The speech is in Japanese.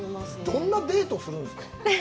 どんなデートするんですか？